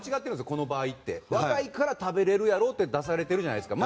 この場合若いから食べれるやろって出されているじゃないですか。